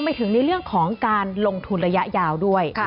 หมายถึงในเรื่องของการลงทุนระยะยาวด้วย